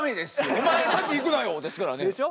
「お前先行くなよ」ですからね。でしょ。